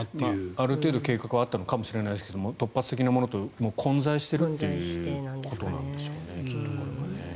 ある程度計画はあったのかもしれませんが突発的なものと混在しているということなんでしょうね。